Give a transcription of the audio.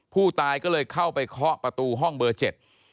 ผู้ตายก็เลยเข้าไปเคาะประตูห้องเบอร์เจ็ด